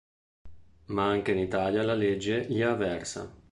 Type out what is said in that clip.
Ma anche in Italia la legge gli è avversa.